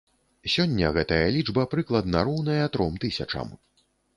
Сёння гэтая лічба прыкладна роўная тром тысячам.